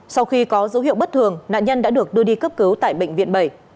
sau khi có dấu hiệu bất thường nạn nhân đã được đưa đi cấp cứu tại bệnh viện bảy